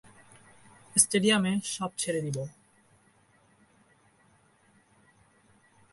স্টেডিয়ামে সাপ ছেড়ে দেব।